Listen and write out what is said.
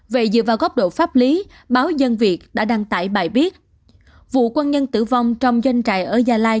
vậy dựa vào góc độ pháp lý báo dân việt đã đăng tải bài viết vụ quân nhân tử vong trong doanh trại ở gia lai